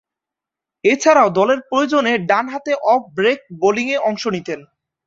এছাড়াও দলের প্রয়োজনে ডানহাতে অফ ব্রেক বোলিংয়ে অংশ নিতেন।